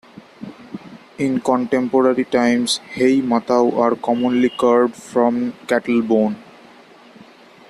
In contemporary times, "hei matau" are commonly carved from cattle bone.